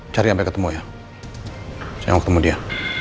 cari sampai ketemu ya saya mau ketemu dia